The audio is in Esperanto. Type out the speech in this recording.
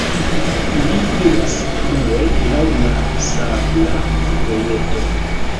Ili iras plue laŭ la sabla vojeto.